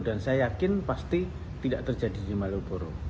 dan saya yakin pasti tidak terjadi di malioboro